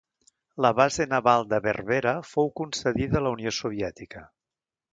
La base naval de Berbera fou concedida a la Unió Soviètica.